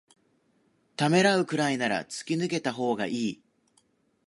ためらうくらいなら突き抜けたほうがいい